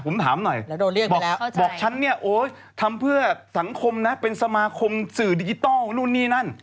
ผมถามหน่อยบอกฉันเนี่ยโอ๊ยทำเพื่อสังคมนะเป็นสมาคมสื่อดิจิทัลนู่นนี่นั่น